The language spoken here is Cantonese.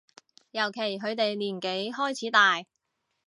尤其佢哋年紀開始大